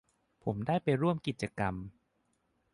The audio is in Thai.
ผมได้ไปร่วมกิจกรรม